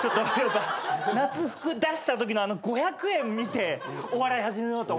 夏服出したときの五百円見てお笑い始めようと思いました。